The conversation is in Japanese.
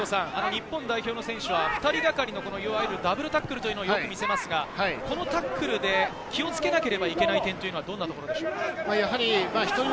日本代表の選手は２人がかりの、いわゆるダブルタックルというのをよく見せますが、このタックルで気をつけなければいけない点というのはどんなところでしょうか？